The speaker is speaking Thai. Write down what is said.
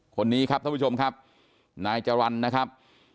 คนนี้ครับท่านผู้ชมครับนายจรรย์นะครับ